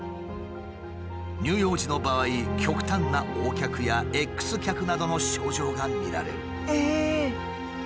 乳幼児の場合極端なＯ脚やＸ脚などの症状が見られる。